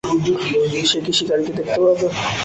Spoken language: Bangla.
সে কি শিকারীকে দেখতে পাবে?